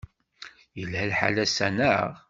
Yelha lḥal ass-a, naɣ?